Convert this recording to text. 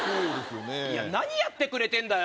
何やってくれてんだよ！